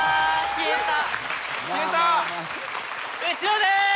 消えた。